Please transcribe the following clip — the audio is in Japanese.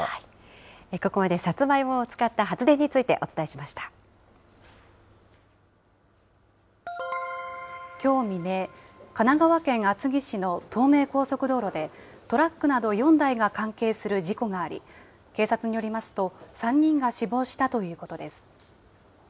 ここまで、サツマイモを使っきょう未明、神奈川県厚木市の東名高速道路で、トラックなど４台が関係する事故があり、警察によりますと、３人が死亡したということです。